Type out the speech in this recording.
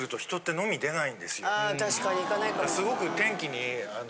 あ確かに行かないかも。